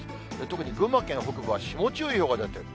特に群馬県北部は霜注意報が出てる。